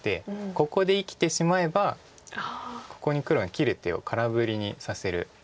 ここで生きてしまえばここに黒の切る手を空振りにさせる意味があります。